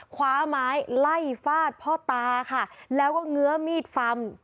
คว้าไม้ไล่ฟาดพ่อตาค่ะแล้วก็เงื้อมีดฟัน